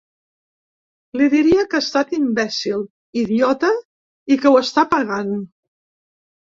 Li diria que ha estat imbècil, idiota i que ho està pagant.